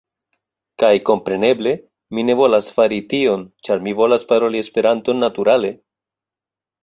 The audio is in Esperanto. Kaj kompreneble, mi ne volas fari tion ĉar mi volas paroli Esperanton naturale